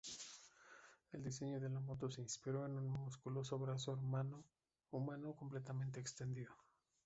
El diseño de la moto se inspiró en un musculoso brazo humano completamente extendido.